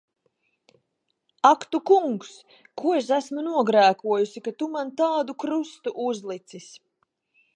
Ak tu Kungs! Ko es esmu nogrēkojusi, ka tu man tādu krustu uzlicis!